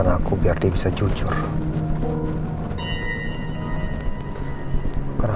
langsung cari kaya si bara